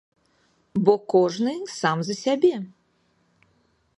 Бо кожны сам за сябе.